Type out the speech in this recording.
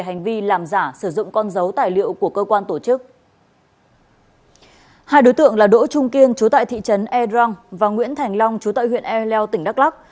hai đối tượng là đỗ trung kiên chú tại thị trấn e răng và nguyễn thành long chú tại huyện e leo tỉnh đắk lắc